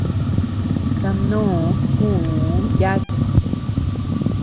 Tamnoo kuʼuu yáku.